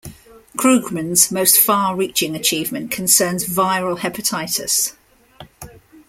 Krugman's most far-reaching achievement concerns viral hepatitis.